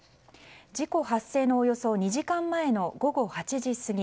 事故発生のおよそ２時間前の午後８時過ぎ。